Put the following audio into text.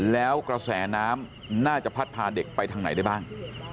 แล้วกระแสน้ำน่าจะพัดพาเด็กไปทางไหนได้บ้าง